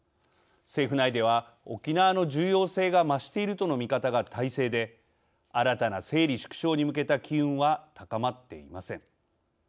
政府内では、沖縄の重要性が増しているとの見方が大勢で新たな整理・縮小に向けた機運は高まっていません。